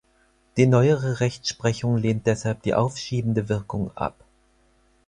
Die neuere Rechtsprechung lehnt deshalb die aufschiebende Wirkung ab.